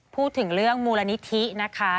พูดถึงเรื่องมูลนิธินะคะ